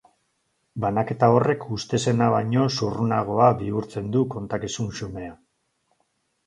Banaketa horrek uste zena baino zurrunagoa bihurtzen du kontakizun xumea.